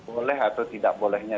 boleh atau tidak bolehnya